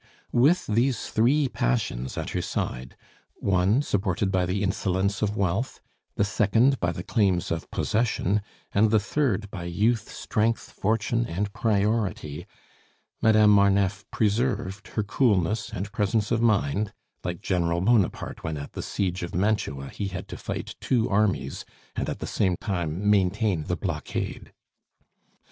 With these three passions at her side one supported by the insolence of wealth, the second by the claims of possession, and the third by youth, strength, fortune, and priority Madame Marneffe preserved her coolness and presence of mind, like General Bonaparte when, at the siege of Mantua, he had to fight two armies, and at the same time maintain the blockade.